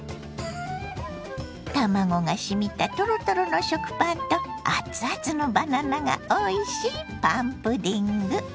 卵がしみたトロトロの食パンとあつあつのバナナがおいしいパンプディング。